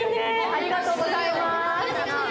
ありがとうございます。